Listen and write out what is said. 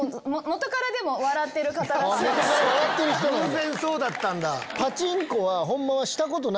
偶然そうだったんだ。